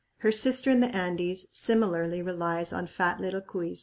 Her sister in the Andes similarly relies on fat little cuys.